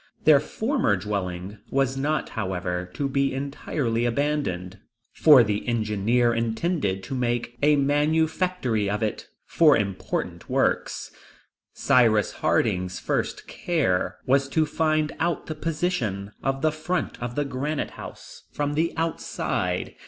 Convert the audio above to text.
Their former dwelling was not, however, to be entirely abandoned, for the engineer intended to make a manufactory of it for important works. Cyrus Harding's first care was to find out the position of the front of Granite House from the outside.